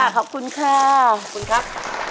ขอบคุณครับ